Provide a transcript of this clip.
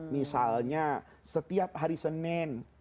misalnya setiap hari senin ini hari kelahiran nabi loh nak